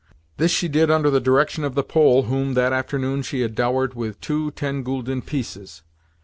This she did under the direction of the Pole whom, that afternoon, she had dowered with two ten gülden pieces.